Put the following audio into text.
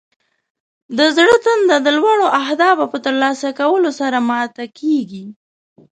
د زړه تنده د لوړو اهدافو په ترلاسه کولو سره ماته کیږي.